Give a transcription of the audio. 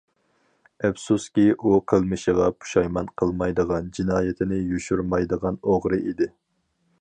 ئەپسۇسكى، ئۇ قىلمىشىغا پۇشايمان قىلمايدىغان، جىنايىتىنى يوشۇرمايدىغان ئوغرى ئىدى.